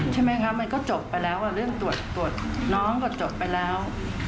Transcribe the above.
ใช่ไหมคะมันก็จบไปแล้วเรื่องตรวจน้องก็จบไปแล้ว